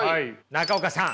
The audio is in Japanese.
中岡さん。